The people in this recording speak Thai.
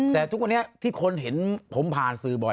แต่ทุกวันนี้ที่คนเห็นผมผ่านสื่อบ่อย